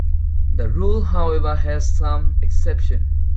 The rule, however, has some exceptions.